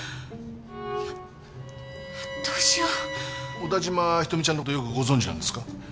小田嶋瞳ちゃんの事よくご存じなんですか？